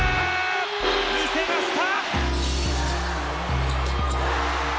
見せました！